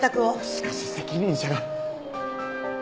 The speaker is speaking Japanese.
しかし責任者が。